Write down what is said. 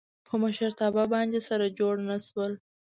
په مشرتابه باندې سره جوړ نه شول.